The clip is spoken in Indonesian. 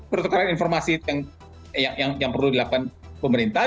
perlu diperlukan informasi yang perlu dilakukan pemerintah